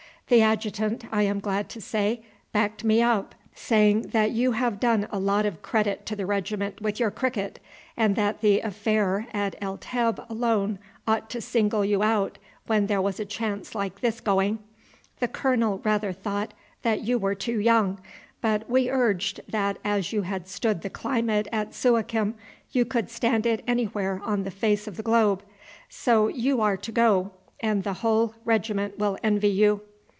The adjutant, I am glad to say, backed me up, saying that you have done a lot of credit to the regiment with your cricket, and that the affair at El Teb alone ought to single you out when there was a chance like this going. The colonel rather thought that you were too young, but we urged that as you had stood the climate at Suakim you could stand it anywhere on the face of the globe. So you are to go, and the whole regiment will envy you."